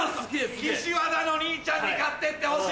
岸和田の兄ちゃんに買ってってほしい。